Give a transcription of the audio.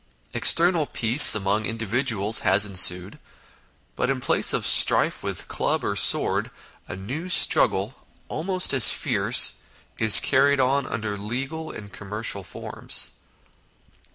External peace among individuals has ensued, but in place of strife with club or sword, a new struggle almost as fierce is carried on under legal and com mercial forms.